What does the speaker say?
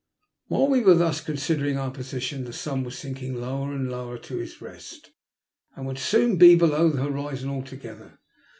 While we were thus considering our position the sun was sinking lower and lower to his rest, and would soon be below the horizon altogether.